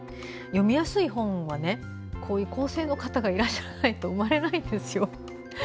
読みやすい本は、こういう校正の方がいらっしゃらないと生まれないんですよ。